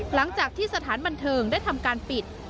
หลังจากที่สถานบันเทิงได้ทำการปิด